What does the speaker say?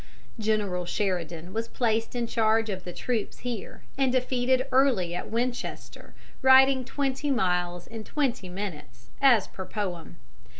General Sheridan was placed in charge of the troops here, and defeated Early at Winchester, riding twenty miles in twenty minutes, as per poem.